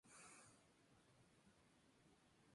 Es frecuente su uso como árbol ornamental.